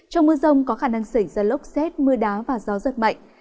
trong mưa rông có khả năng xảy ra lốc xét mưa đá và gió giật mạnh